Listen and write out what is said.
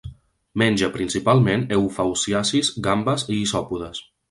Menja principalment eufausiacis, gambes i isòpodes.